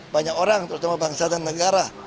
banyak orang terutama bangsa dan negara